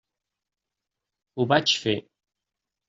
Ho vaig fer.